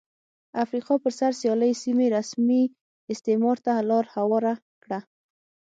افریقا پر سر سیالۍ سیمې رسمي استعمار ته لار هواره کړه.